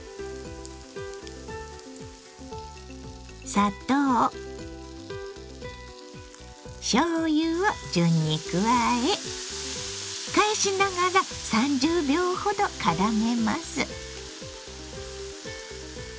砂糖しょうゆを順に加え返しながら３０秒ほどからめます。